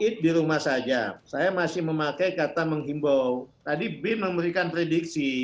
tadi bin memberikan prediksi